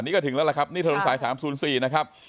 นี่ก็ถึงแล้วล่ะครับนี่ถนนสาย๓๐๔นะครับ